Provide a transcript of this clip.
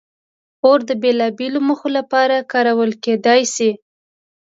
اور د بېلابېلو موخو لپاره کارول کېدی شي.